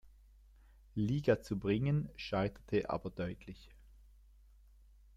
Liga zu bringen, scheiterte aber deutlich.